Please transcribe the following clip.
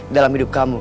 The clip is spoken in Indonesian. dalam hidup kamu